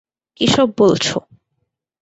কী সব বলছ?